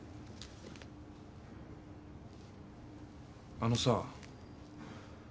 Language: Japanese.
あのさ。